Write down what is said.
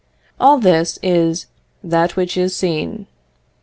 All this is that which is seen.